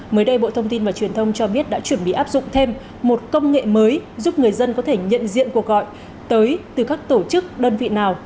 mới đây bộ thông tin và truyền thông cho biết đã chuẩn bị áp dụng thêm một công nghệ mới giúp người dân có thể nhận diện cuộc gọi tới từ các tổ chức đơn vị nào